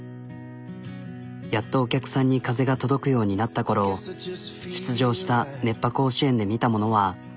やっとお客さんに風が届くようになった頃出場した「熱波甲子園」で見たものは。